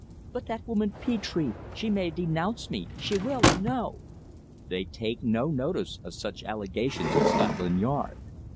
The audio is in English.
"But that woman Petre! She may denounce me she will, I know!" "They take no notice of such allegations at Scotland Yard.